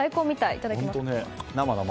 いただきます。